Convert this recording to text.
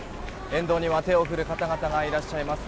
沿道には手を振る方々がいらっしゃいます。